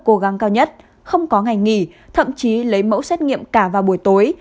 cố gắng cao nhất không có ngày nghỉ thậm chí lấy mẫu xét nghiệm cả vào buổi tối